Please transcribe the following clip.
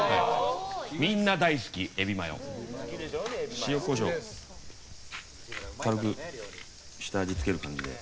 塩、コショウを軽く下味付ける感じで。